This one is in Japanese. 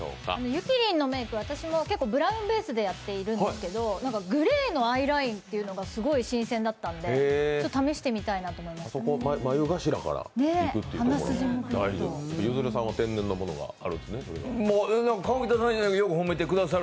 ゆきりんのメーク、割とブラウンベースでされているんですけどグレーのアイラインっていうのがすごい新鮮だったんで試してみたいなと思いました。